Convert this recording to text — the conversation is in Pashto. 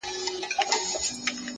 له هیواده د منتر د کسبګرو،